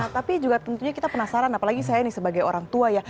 tapi juga tentunya kita penasaran apalagi saya nih sebagai orang tua ya